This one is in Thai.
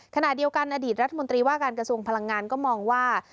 ขณะเดียวกันอดีตรัฐมนตรีว่าการกระทรวงพลังงานก็มองว่า